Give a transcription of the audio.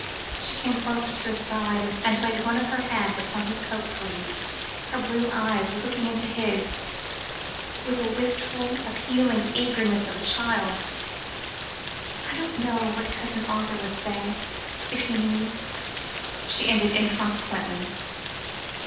She came closer to his side, and laid one of her hands upon his coat sleeve, her blue eyes looking into his, with the wistful, appealing eagerness of a child's eyes. "I don't know what Cousin Arthur would say if he knew," she ended inconsequently.